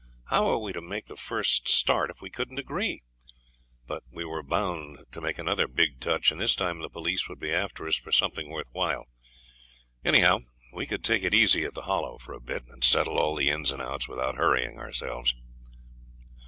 How we were to make the first start we couldn't agree; but we were bound to make another big touch, and this time the police would be after us for something worth while. Anyhow, we could take it easy at the Hollow for a bit, and settle all the ins and outs without hurrying ourselves.